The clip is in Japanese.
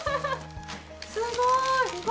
すごい！